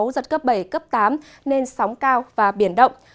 giật cấp bảy cấp tám nên sóng cao và biển động